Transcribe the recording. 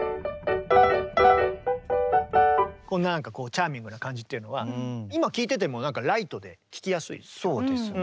こんななんかチャーミングな感じっていうのは今聴いててもなんかライトで聴きやすいですよね。